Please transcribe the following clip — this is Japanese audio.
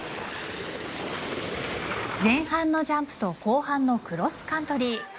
前半のジャンプと後半のクロスカントリー。